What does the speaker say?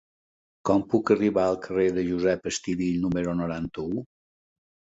Com puc arribar al carrer de Josep Estivill número noranta-u?